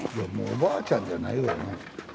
おばあちゃんじゃないよな全然。